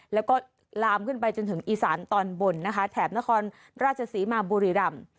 แล้วก็ลามขึ้นไปจนถึงอีสานตอนบนนะคะแถบนครราชศรีมาบุรีรำ